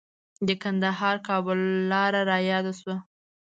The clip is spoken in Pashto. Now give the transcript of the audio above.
د کندهار-کابل لاره رایاده شوه.